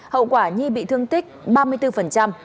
hậu quả nhi bị thương tích ba mươi bốn